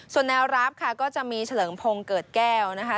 ส่วนแนวรับค่ะก็จะมีเฉลิมพงศ์เกิดแก้วนะคะ